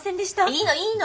いいのいいの。